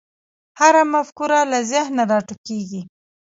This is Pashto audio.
هره مفکوره له ذهنه راټوکېږي.